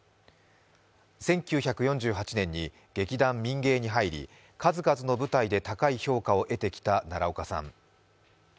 １９４８年に劇団民藝に入り、数々の舞台で高い評価を得てきた奈良岡さん。